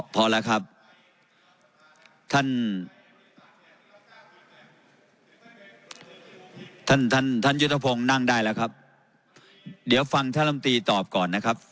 พอแล้วครับท่านท่านท่านยุทธพงศ์นั่งได้แล้วครับเดี๋ยวฟังท่านลำตีตอบก่อนนะครับ